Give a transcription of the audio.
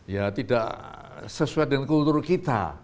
ya tidak sesuai dengan kultur kita